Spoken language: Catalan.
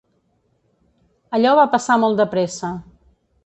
Allò va passar molt de pressa.